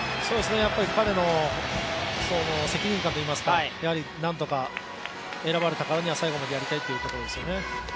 彼の責任感といいますかなんとか選ばれたからには最後までやりたいというところですよね。